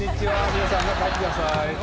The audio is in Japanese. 皆さん中入ってください。